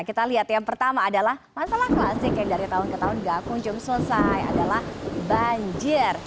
kita lihat yang pertama adalah masalah klasik yang dari tahun ke tahun gak kunjung selesai adalah banjir